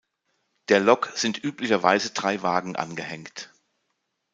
Der Lok sind üblicherweise drei Wagen angehängt.